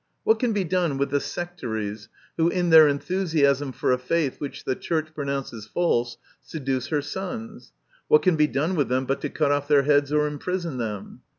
What can be done with the Sectaries who, in their enthusiasm for a faith which the Church pronounces false, seduce her sons? What can be done with them but to cut off their heads or imprison them